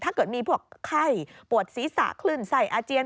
ถ้าเกิดมีพวกไข้ปวดศีรษะคลื่นไส้อาเจียน